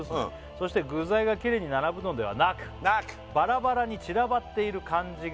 「そして具材がきれいに並ぶのではなく」「バラバラに散らばっている感じが」